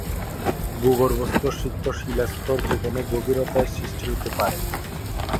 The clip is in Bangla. ভূগর্ভস্থ সিক্ত শিলাস্তর যে কোন গভীরতায় সৃষ্টি হতে পারে।